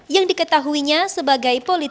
yang diketahuinya sebagai polisi